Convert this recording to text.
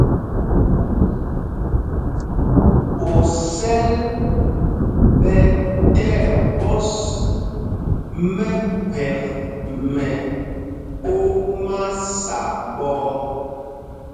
Osɛl ɓɛ̄ tí ɛɓɔ́s mɛphɛk mɛ omasa ɓɔ̄ɔ̄.